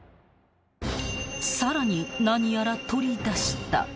［さらに何やら取り出した］